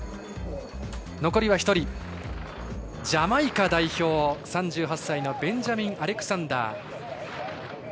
残りは１人ジャマイカ代表、３８歳のベンジャミン・アレクサンダー。